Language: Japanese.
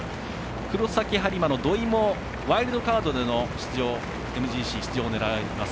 黒崎播磨の土井もワイルドカードでのＭＧＣ出場を狙います。